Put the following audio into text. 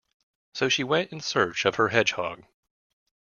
So she went in search of her hedgehog.